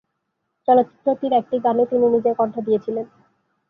চলচ্চিত্রটির একটি গানে তিনি নিজের কণ্ঠ দিয়েছিলেন।